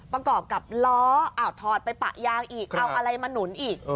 ประกอบกับล้อถอดไปปะยางอีกเอาอะไรมาหนุนอีก